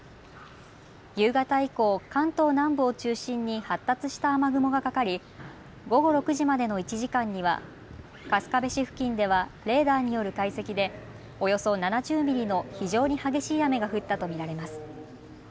夕方以降、関東南部を中心に発達した雨雲がかかり午後６時までの１時間には春日部市付近ではレーダーによる解析でおよそ７０ミリの非常に激しい雨が降ったと見られます。